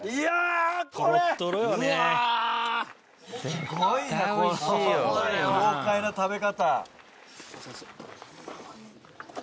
すごいなこの豪快な食べ方。